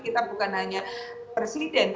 kita bukan hanya presiden